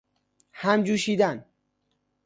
همجوشیدن